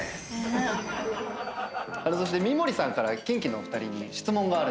三森さんからキンキのお二人に質問があるんですよね。